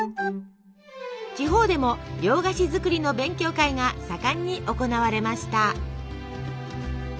地方でも洋菓子作りの勉強会が盛んに行われました。